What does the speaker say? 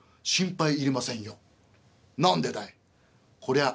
「何でだい？」。